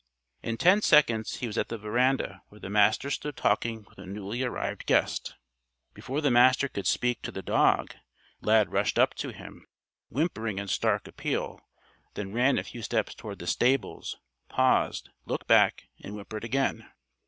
In ten seconds he was at the veranda where the Master stood talking with a newly arrived guest. Before the Master could speak to the dog, Lad rushed up to him, whimpering in stark appeal, then ran a few steps toward the stables, paused, looked back and whimpered again.